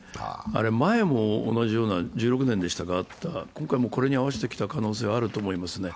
前も同じようなのがあった、１６年でしたか、今回もこれに合わせてきた可能性はあると思いますね。